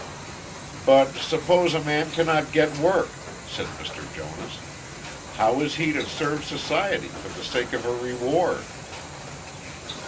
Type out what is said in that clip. "But, suppose a man cannot get work," said Mr. Jonas. "How is he to serve society, for the sake of a reward?"